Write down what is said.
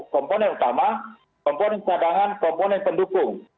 komponen utama komponen cadangan komponen pendukung